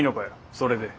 それで。